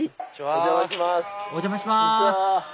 お邪魔します